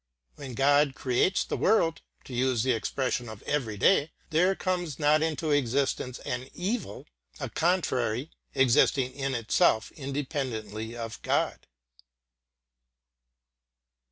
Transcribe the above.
When God creates the world to use the expression of every day there comes not into existence an evil, a contrary, existing in itself independently of God.